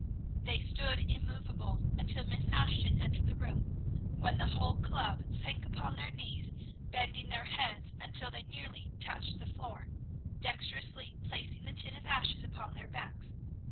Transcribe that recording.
They stood immovable until Miss Ashton entered the room, when the whole club sank upon their knees, bending their heads until they nearly touched the floor, dexterously placing the tin of ashes upon their backs.